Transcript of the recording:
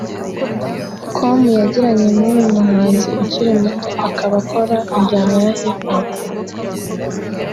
com yagiranye n’uyu muhanzi ukiri muto akaba akora injyana ya Hip hop